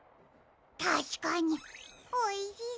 たしかにおいしそう！